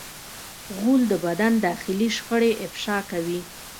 غول د بدن داخلي شخړې افشا کوي.